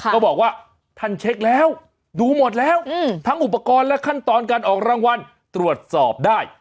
บอกว่าท่านเช็คแล้วดูหมดแล้วทั้งอุปกรณ์และขั้นตอนการออกรางวัลตรวจสอบได้